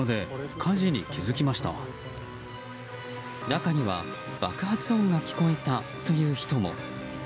中には、爆発音が聞こえたという人も。